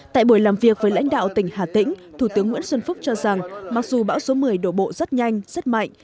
tại buổi làm việc với lãnh đạo tỉnh hà tĩnh thủ tướng nguyễn xuân phúc cho rằng mặc dù bão số một mươi đổ bộ rất nhanh rất mạnh